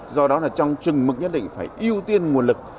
do đó là trong trừng mực nhất định phải ưu tiên nguồn lực